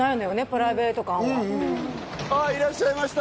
プライベート感はああいらっしゃいました